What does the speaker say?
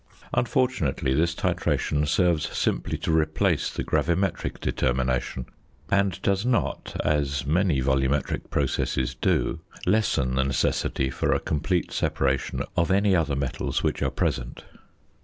Unfortunately this titration serves simply to replace the gravimetric determination, and does not, as many volumetric processes do, lessen the necessity for a complete separation of any other metals which are present.